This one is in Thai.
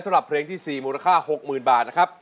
สำหรับเพลงที่๔มูลค่า๖๐๐๐๐บาท